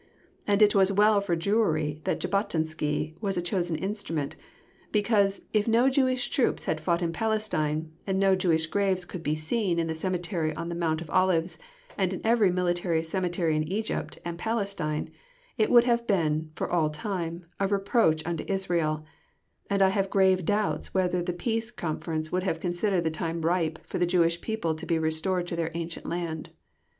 And it was well for Jewry that Jabotinsky was a chosen instrument, because, if no Jewish troops had fought in Palestine, and no Jewish graves could be seen in the Cemetery on the Mount of Olives, and in every Military Cemetery in Egypt and Palestine, it would have been, for all time, a reproach unto Israel, and I have grave doubts whether the Peace Conference would have considered the time ripe for the Jewish people to be restored to their ancient land.